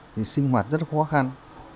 thì sinh hoạt rất khó khăn